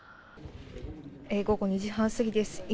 午後２時半過ぎです。